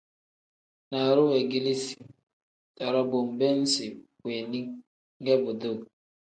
Naaru weegeleezi too-ro bo nbeem isi weeni ge buduu.